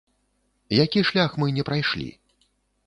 Які шлях мы не прайшлі?